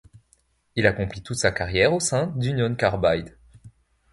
Il accomplit toute sa carrière au sein d'Union Carbide.